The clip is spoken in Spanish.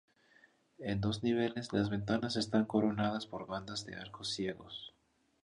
En dos niveles, las ventanas están coronadas por bandas de arcos ciegos.